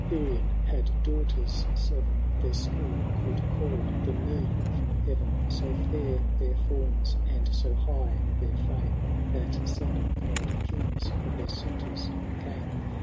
Thb Draid Uiien had daughters seven, Their skill could call the moon from heaven ; So fidr their forms and so high their fame. That seven proud kings for their suiton came.